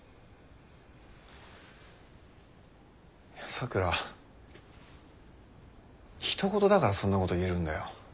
咲良はひと事だからそんなこと言えるんだよ。